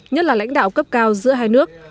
nhất là lãnh đạo cấp cao giữa hai nước